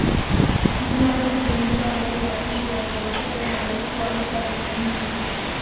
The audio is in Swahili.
Mlima Meru ni mlima wenye asili ya volkeno na urefu wa mita elfu nne